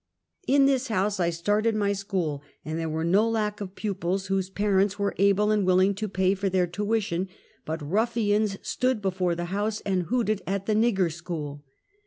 In this house I started my school, and there were no lack of pupils whose parents were able and willing to pay for their tuition, but ruffians stood before the house and hooted at the " nigger school."